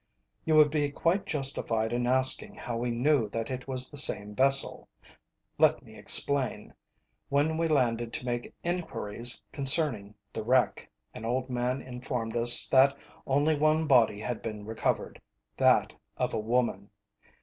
You would be quite justified in asking how we knew that it was the same vessel. Let me explain. When we landed to make enquiries concerning the wreck, an old man informed us that only one body had been recovered, that of a woman.